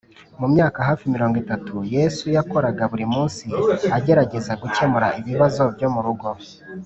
mu myaka hafi mirongo itatu, yesu yakoraga buri munsi agerageza gukemura ibibazo byo mu rugo